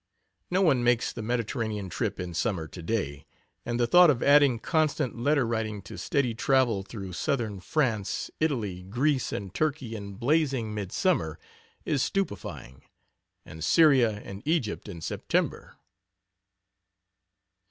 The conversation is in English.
No one makes the Mediterranean trip in summer to day, and the thought of adding constant letter writing to steady travel through southern France, Italy, Greece, and Turkey in blazing midsummer is stupefying. And Syria and Egypt in September!